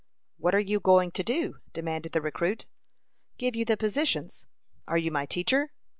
"What are you going to do?" demanded the recruit. "Give you the positions." "Are you my teacher?"